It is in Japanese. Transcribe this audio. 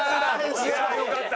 いやあよかった。